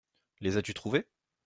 Les as-tu trouvés ?